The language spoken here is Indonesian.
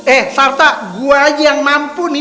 eh sarta gue aja yang mampu nih